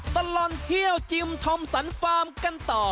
ตลอดเที่ยวจิมทอมสันฟาร์มกันต่อ